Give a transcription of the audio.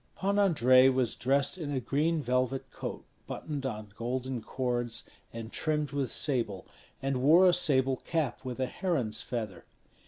Pan Andrei was dressed in a green velvet coat buttoned on golden cords and trimmed with sable, and wore a sable cap with a heron's feather.